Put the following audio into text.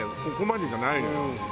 ここまでじゃないのよ。